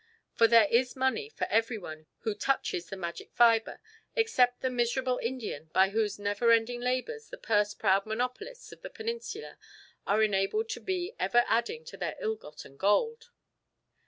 For there is money for every one who touches the magic fibre except the miserable Indian, by whose never ending labours the purse proud monopolists of the Peninsula are enabled to be ever adding to their ill gotten gold.